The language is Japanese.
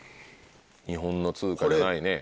日本の通貨じゃないね。